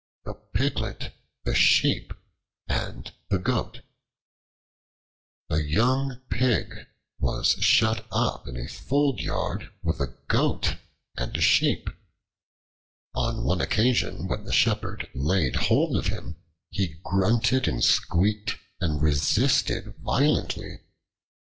The Piglet, the Sheep, and the Goat A YOUNG PIG was shut up in a fold yard with a Goat and a Sheep. On one occasion when the shepherd laid hold of him, he grunted and squeaked and resisted violently.